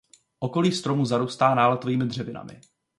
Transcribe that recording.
Okolí stromu zarůstá náletovými dřevinami.